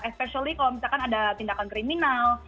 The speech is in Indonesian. expecially kalau misalkan ada tindakan kriminal